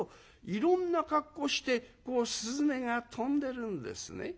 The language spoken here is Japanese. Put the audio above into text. いろんな格好してこう雀が飛んでるんですね」。